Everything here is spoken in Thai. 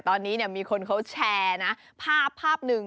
ตอนนี้มีคนเขาแชร์นะภาพหนึ่ง